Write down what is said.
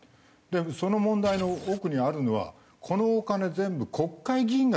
その問題の奥にあるのはこのお金全部国会議員が決めたんだよ。